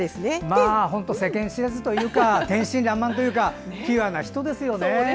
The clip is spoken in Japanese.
本当、世間知らずというか天真らんまんというかピュアな人ですよね。